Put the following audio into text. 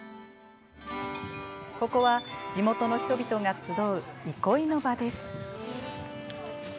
ここは、地元の人々が集う憩いの場です。